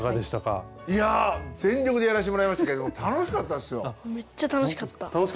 いや全力でやらしてもらいましたけども楽しかったですよ！